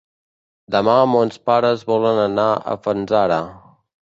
Demà mons pares volen anar a Fanzara.